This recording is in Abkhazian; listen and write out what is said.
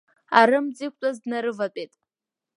Арымӡ иқәтәаз днарыватәеит.